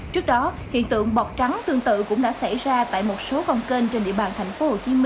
trước đó hiện tượng bọc trắng tương tự cũng đã xảy ra tại một số con kênh trên địa bàn tp hcm